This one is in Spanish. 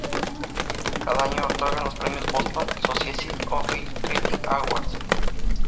Cada año otorgan los premios Boston Society of Film Critics Awards.